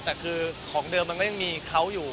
แต่คือของเดิมมันก็ยังมีเขาอยู่